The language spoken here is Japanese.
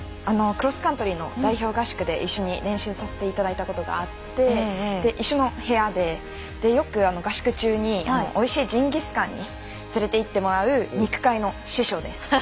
クロスカントリーの代表合宿で一緒に練習させていただいたことがあって一緒の部屋でよく合宿中においしいジンギスカンに連れていってもらう肉界の師匠です。